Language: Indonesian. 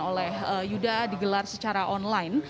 oleh yuda digelar secara online